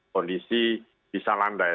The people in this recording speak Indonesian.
kondisi bisa landai